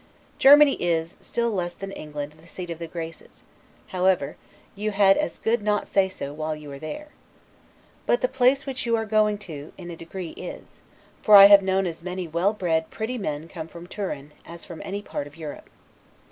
Germany is, still less than England, the seat of the Graces; however, you had as good not say so while you are there. But the place which you are going to, in a great degree, is; for I have known as many well bred, pretty men come from Turin, as from any part of Europe.